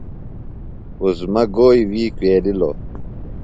عظمیٰ گوئی وی کُویلِلوۡ؟